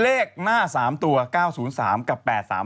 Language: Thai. เลขหน้า๓ตัว๙๐๓กับ๘๓